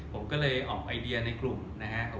ผมก็เลยออกไอเดียในกลุ่มนะครับ